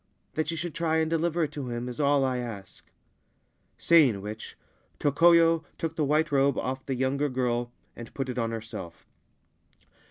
That you should try and deliver it to him is all I ask.' Saying which, Tokoyo took the white robe off the younger girl and put it on herself.